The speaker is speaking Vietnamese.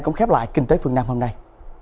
cũng khép lại kinh tế phương nam hôm nay